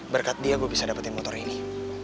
berkat dia gue bisa dapetin motor ini